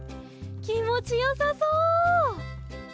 きもちよさそう！